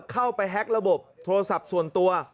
เข้าไปแฮ็กระบบโทรศัพท์ส่วนตัว